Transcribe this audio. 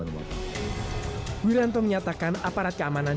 wiranto menyatakan aparat keamanan